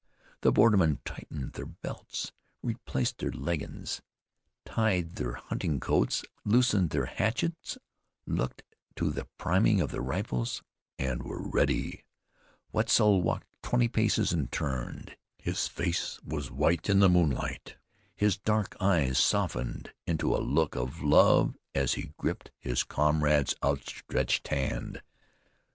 The bordermen tightened their belts, replaced their leggings, tied their hunting coats, loosened their hatchets, looked to the priming of their rifles, and were ready. Wetzel walked twenty paces and turned. His face was white in the moonlight; his dark eyes softened into a look of love as he gripped his comrade's outstretched hand.